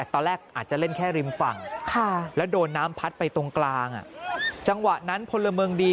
ตอนแรกอาจจะเล่นแค่ริมฝั่งแล้วโดนน้ำพัดไปตรงกลางจังหวะนั้นพลเมืองดี